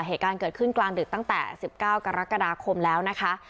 เหตุการณ์เกิดขึ้นกลางดึกตั้งแต่๑๙กรกฎาคมแล้วนะคะ